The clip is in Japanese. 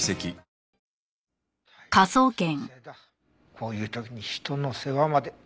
こういう時に人の世話まで。